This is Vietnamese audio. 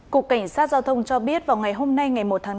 cục cảnh sát giao thông cho biết vào ngày hôm nay ngày một tháng tám